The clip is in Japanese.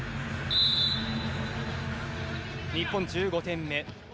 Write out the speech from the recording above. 日本、１５点目。